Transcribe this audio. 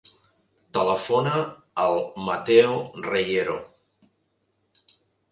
Telefona al Mateo Reyero.